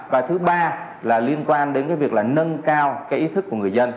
và thứ ba là liên quan đến cái việc là nâng cao cái ý thức của người dân